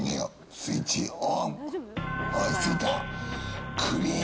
スイッチオン。